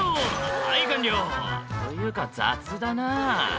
はい完了」というか雑だな